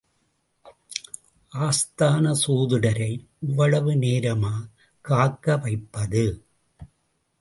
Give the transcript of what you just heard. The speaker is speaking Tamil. ஆஸ்தான சோதிடரை இவ்வளவு நேரமா காக்க வைப்பது?